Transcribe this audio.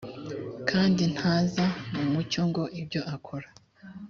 kandi ntaza mu mucyo ngo ibyo akora